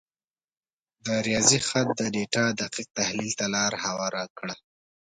د ریاضي خط د ډیټا دقیق تحلیل ته لار هواره کړه.